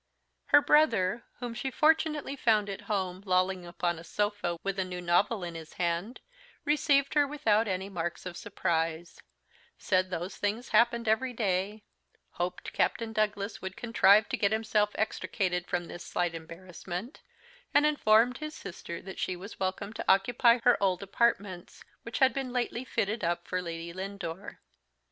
Her brother, whom she fortunately found at home, lolling upon a sofa with a new novel in his hand, received her without any marks of surprise; said those things happened every day; hoped Captain Douglas would contrive to get himself extricated from this slight embarrassment; and informed his sister that she was welcome to occupy her old apartments, which had been lately fitted up for Lady Lindore.